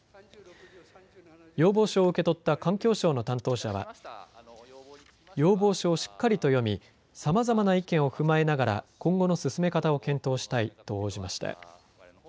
要望書を受け取った環境省の担当者は要望書をしっかりと読み、さまざまな意見を踏まえながら今後の進め方を検討したいと応じました。